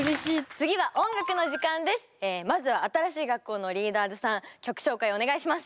次はまずは新しい学校のリーダーズさん曲紹介お願いします。